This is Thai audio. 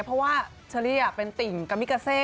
เพราะว่าเชอรี่เป็นติ่งกามิกาเซ